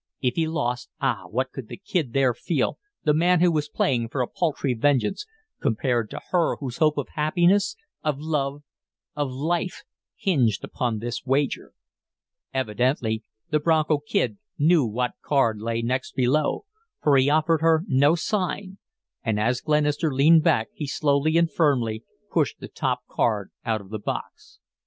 If he lost, ah! what could the Kid there feel, the man who was playing for a paltry vengeance, compared to her whose hope of happiness, of love, of life hinged on this wager? Evidently the Bronco Kid knew what card lay next below, for he offered her no sign, and as Glenister leaned back he slowly and firmly pushed the top card out of the box.